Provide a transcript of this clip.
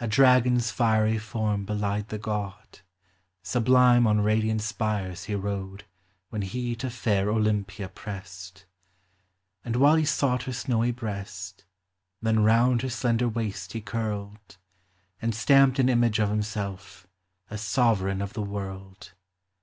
A dragon's flery form belied the god ; Sublime on radian* s|>iiv> he rode, When he to fair Olympia pressed. And while he sought her snowy breast; Then round her slender waist 1m culled, 374 POEMS OF SENTIMENT. And stamped an image of himself, a sovereign of the world.